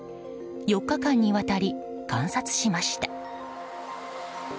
４日間にわたり観察しました。